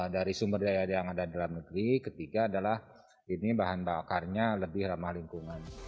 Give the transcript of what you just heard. dari sumber daya yang ada dalam negeri ketiga adalah ini bahan bakarnya lebih ramah lingkungan